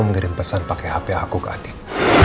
mengirim pesan pake hp aku ke andin